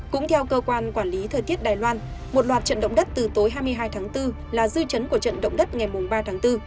cũng theo cơ quan quản lý thời tiết đài loan một loạt trận động đất từ tối hai mươi hai tháng bốn là dư chấn của trận động đất ngày ba tháng bốn